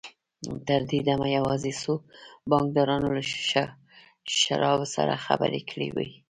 تر دې دمه يوازې څو بانکدارانو له شواب سره خبرې کړې وې.